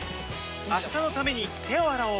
明日のために手を洗おう